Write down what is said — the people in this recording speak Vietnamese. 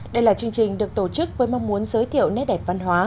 đây là chương trình được tổ chức với mong muốn giới thiệu nét đẹp văn hóa